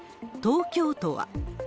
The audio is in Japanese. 東京都は。